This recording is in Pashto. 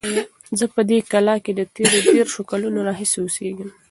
زه په دې کلا کې د تېرو دېرشو کلونو راهیسې اوسیږم.